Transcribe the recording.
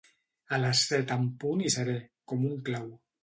A les set en punt hi seré, com un clau.